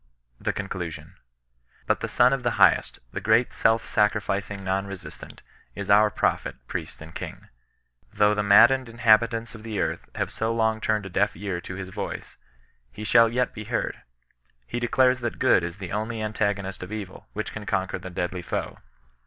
THE CONCLUSION. But the Son of the Highest, the great self sacrificing Kon Besistant, is our prophet, priest, and king. Though the maddened inhabitants of the earth have so long turned a deaf ear to his voice, he shall yet be heard. He declares that good is the only antagonist of evU, which can conquer the deadly foe.